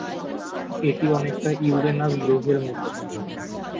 এটি অনেকটা ইউরেনাস গ্রহের মতো।